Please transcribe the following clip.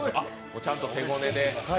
ちゃんと手ごねで。